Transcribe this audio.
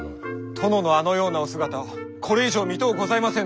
殿のあのようなお姿はこれ以上見とうございませぬ。